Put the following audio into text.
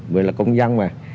về là công dân mà